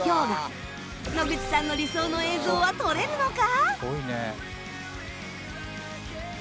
野口さんの理想の映像は撮れるのか？